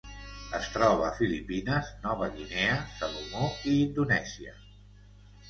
Es troba a Filipines, Nova Guinea, Salomó i Indonèsia.